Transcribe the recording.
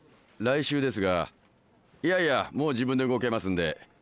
来週ですがいやいやもう自分で動けますんで。